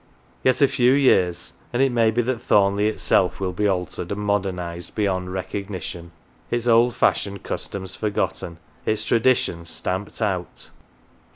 Yet a few years, and it may be that Thornleigh itself will be altered and modernised beyond recognition, its old 262 MATES fashioned customs forgotten, its traditions stamped out.